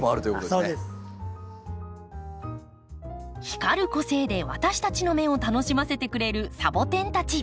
光る個性で私たちの目を楽しませてくれるサボテンたち。